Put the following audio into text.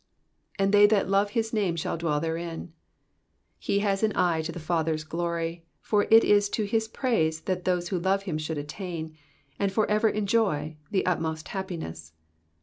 ^''And they that love his name shall dwell therein/^ He has an eye to the Father's glory, for it is to his praise that those who love him should attain, and for ever enjoy, the utmost happiness.